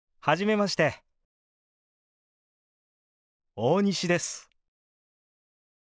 大西です。